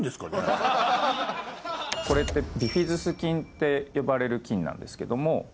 これってビフィズス菌って呼ばれる菌なんですけども。